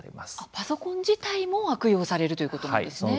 パソコン自体も悪用されるということなんですね。